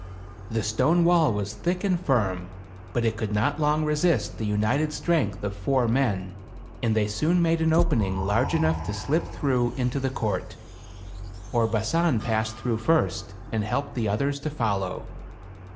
The stone wail was thick and firm, but it could not long resist the united strength of four men, and they soon made an opening large enough to slip through into the court. Orbasan passed through first, and helped the others to follow.